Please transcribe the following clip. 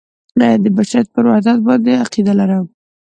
د بشریت پر وحدت باندې عقیده لرم.